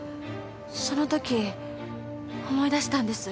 その時思い出したんです。